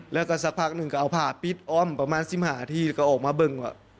แล้วก็สักพัก๑กันเอาผ่าปิดอ้อมประมาณ๑๐หาที่คือออกมาว่ัง